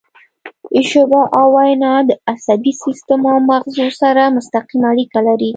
ژبه او وینا د عصبي سیستم او مغزو سره مستقیمه اړیکه لري